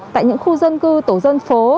tại những khu dân cư tổ dân phố